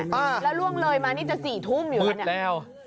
แล้วล่วงเลยมานี่จะ๔ทุ่มอยู่แล้วเนี่ย